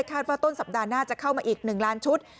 และคาดว่าต้นสัปดาห์หน้าจะเข้ามาอีก๑๐๐๐๐๐๐ชุด